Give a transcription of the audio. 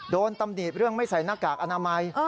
ตำหนิเรื่องไม่ใส่หน้ากากอนามัย